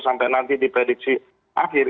sampai nanti diprediksi akhir